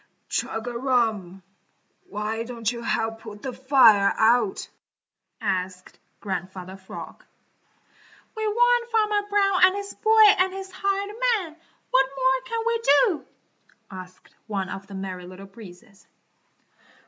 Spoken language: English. "Chug a rum! Why don't you help put the fire out?" asked Grandfather Frog. "We warned Farmer Brown and his boy and his hired man; what more can we do?" asked one of the Merry Little Breezes.